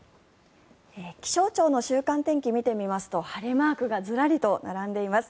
気象庁の週間天気を見てみますと晴れマークがずらりと並んでいます。